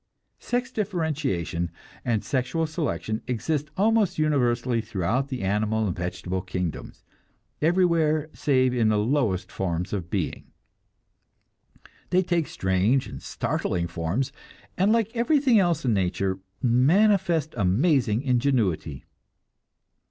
Sex differentiation and sexual selection exist almost universally throughout the animal and vegetable kingdoms, everywhere save in the lowest forms of being. They take strange and startling forms, and like everything else in nature manifest amazing ingenuity.